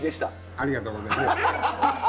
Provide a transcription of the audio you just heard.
ありがとうございます。